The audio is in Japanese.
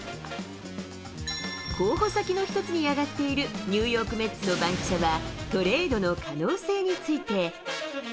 候補先の一つに挙がっているニューヨーク・メッツの番記者は、トレードの可能性について。